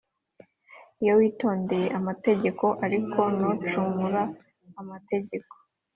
iyo witondeye amategeko: ariko nucumura amategeko